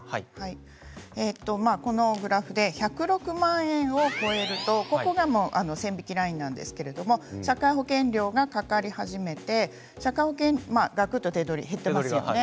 このグラフで１０６万円を超えるとここが線引きラインなんですけれども社会保険料がかかり始めてがくっと手取りが減っていますよね。